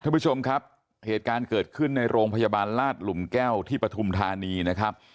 ท่านผู้ชมครับเหตุการณ์เกิดขึ้นในโรงพยาบาลลาดหลุมแก้วที่ปฐุมธานีนะครับ